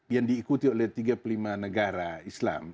yang diikuti oleh tiga puluh lima negara islam